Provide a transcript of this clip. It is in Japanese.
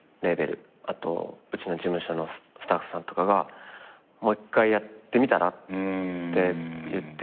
あとうちの事務所のスタッフさんとかが「もう一回やってみたら？」って言ってくれて。